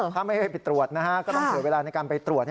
ถ้าไม่ให้ไปตรวจนะฮะก็ต้องเผื่อเวลาในการไปตรวจ